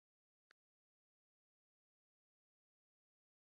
مدرّسنا غبيّ بالكامل.